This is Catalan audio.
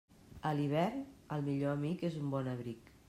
A l'hivern, el millor amic és un bon abric.